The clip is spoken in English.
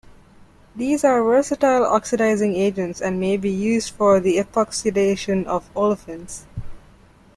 These are versatile oxidising agents and may be used for the epoxidation of olefins.